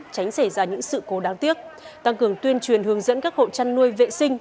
tránh xảy ra những sự cố đáng tiếc tăng cường tuyên truyền hướng dẫn các hộ chăn nuôi vệ sinh